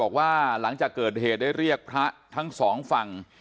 บอกว่าหลังจากเกิดเหตุ